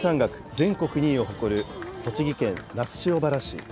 全国２位を誇る栃木県那須塩原市。